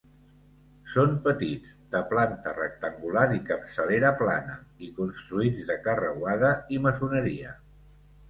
Són petits, de planta rectangular i capçalera plana i construïts de carreuada i maçoneria.